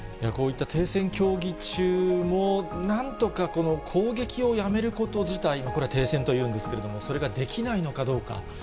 こういった停戦協議中も、なんとか攻撃をやめること自体、これ、停戦というんですけれども、それができないのかどうか。